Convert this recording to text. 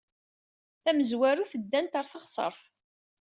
Tamezwarut, ddant ɣer teɣsert.